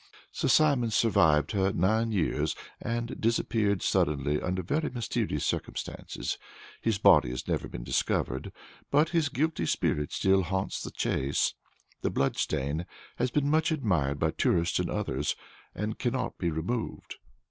Sir Simon survived her nine years, and disappeared suddenly under very mysterious circumstances. His body has never been discovered, but his guilty spirit still haunts the Chase. The blood stain has been much admired by tourists and others, and cannot be removed."